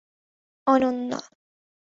– Ananya!